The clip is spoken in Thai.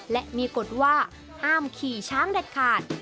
และมีกฎว่าห้ามขี่ช้างเด็ดขาด